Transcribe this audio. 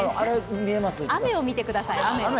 雨を見てください、雨を。